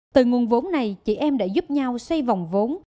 từ nguồn vốn này chị em đã giúp nhau xây vòng vốn